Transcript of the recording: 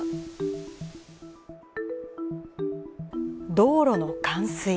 道路の冠水。